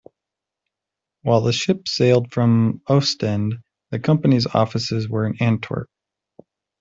While the ships sailed from Ostend, the company's offices were in Antwerp.